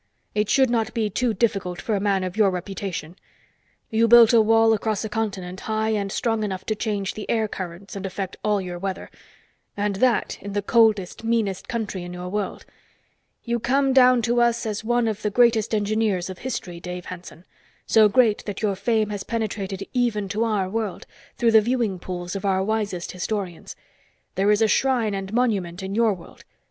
It should not be too difficult for a man of your reputation. You built a wall across a continent high and strong enough to change the air currents and affect all your weather and that in the coldest, meanest country in your world. You come down to us as one of the greatest engineers of history, Dave Hanson, so great that your fame has penetrated even to our world, through the viewing pools of our wisest historians. There is a shrine and monument in your world.